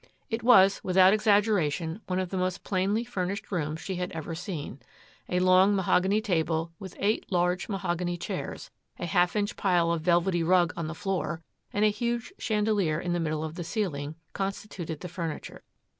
It was, without exaggeration, one of the most plainly furnished rooms she had ever seen. A long mahogany table with eight large mahogany chairs, a half inch pile of velvety rug on the floor and a huge chandelier in the middle of the ceiling constituted the furniture.